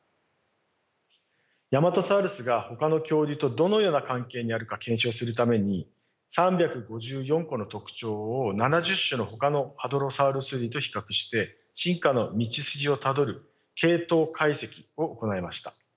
ヤマトサウルスがほかの恐竜とどのような関係にあるか検証するために３５４個の特徴を７０種のほかのハドロサウルス類と比較して進化の道筋をたどる系統解析を行いました。